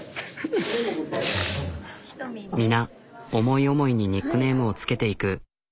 皆思い思いにニックネームをつけていく。